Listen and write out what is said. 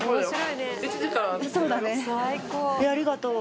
いやありがとう。